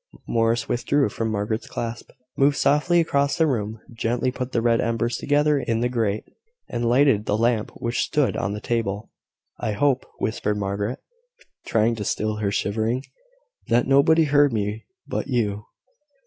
Morris withdrew from Margaret's clasp, moved softly across the room, gently put the red embers together in the grate, and lighted the lamp which stood on the table. "I hope," whispered Margaret, trying to still her shivering, "that nobody heard me but you.